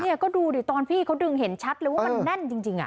นี่ก็ดูดิตอนพี่เขาดึงเห็นชัดเลยว่ามันแน่นจริง